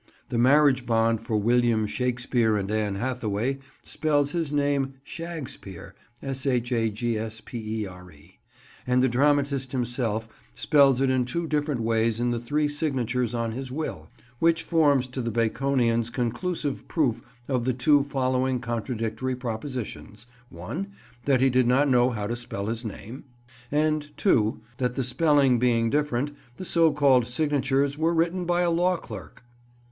The marriage bond for William Shakespeare and Anne Hathaway spells his name "Shagspere," and the dramatist himself spells it in two different ways in the three signatures on his will, which forms to the Baconians conclusive proof of the two following contradictory propositions (1) that he did not know how to spell his own name, and (2) that, the spelling being different, the so called signatures were written by a law clerk!